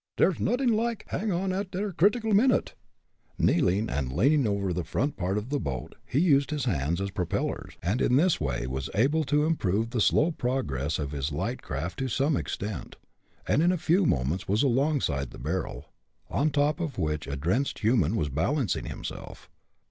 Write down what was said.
"Dere's nodding like hang on at der critical minute." Kneeling, and leaning over the front part of the boat, he used his hands as propellers, and in this way was able to improve the slow progress of his light craft to some extent, and in a few moments was alongside the barrel, on top of which a drenched human was balancing himself.